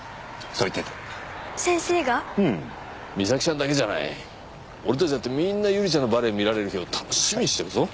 うん美咲ちゃんだけじゃない俺たちだってみんな百合ちゃんのバレエ見られる日を楽しみにしてるぞ